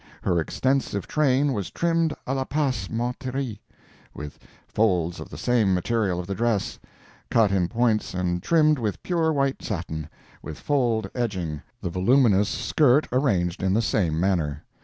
Her extensive train was trimmed a la passe menterie, with folds of the same material of the dress, cut in points and trimmed with pure white satin, with fold edging, the voluminous skirt arranged in the same manner.